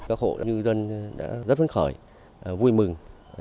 các hộ nhân dân đã rất vấn khởi vui mừng